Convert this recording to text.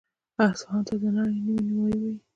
اصفهان ته د نړۍ نیمایي وايي.